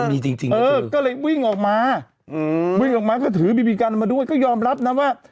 มีจริงเออก็เลยวิ่งออกมาวิ่งออกมาก็ถือบีบีกันมาด้วยก็ยอมรับนะว่า